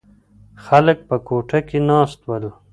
خلک په کوټه کې ناست ول.